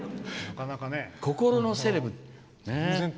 心のセレブね。